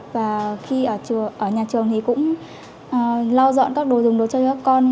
và khi ở nhà trường thì cũng lau dọn các đồ dùng đồ chơi cho các con